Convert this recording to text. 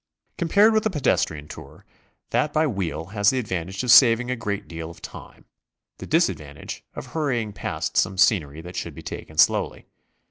Compared with the pedestrian tour, that by wheel has the advantage «of saving a great deal of time, the disadvantage of hurrying past some scenery that should be taken slowly.